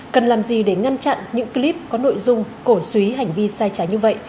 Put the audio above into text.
cần làm gì để ngăn chặn những clip có nội dung cổ suý hành vi sai trái như vậy